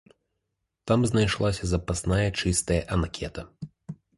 Там знайшлася запасная чыстая анкета.